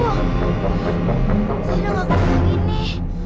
wah saya udah gak ketahui nih